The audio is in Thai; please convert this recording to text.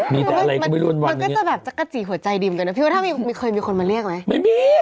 มีแต่อะไรก็ไม่รวมวันนี้มันก็จะแบบจะกระจีหัวใจดิมตัวเนอะพี่ว่าถ้ามีมีเคยมีคนมาเรียกไหมไม่มี